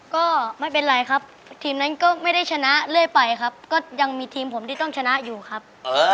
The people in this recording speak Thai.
ก็ไม่เป็นไรครับทีมนั้นก็ไม่ได้ชนะเรื่อยไปครับก็ยังมีทีมผมที่ต้องชนะอยู่ครับ